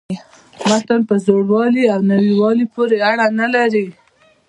متن په زوړوالي او نویوالي پوري اړه نه لري.